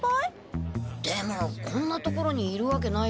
でもこんな所にいるわけないよな。